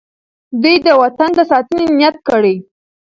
دوی د وطن د ساتنې نیت کړی.